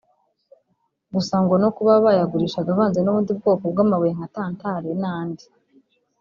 Gusa ngo no kuba bayagurishaga avanze n’ubundi bwoko bw’amabuye nka tantale n’andi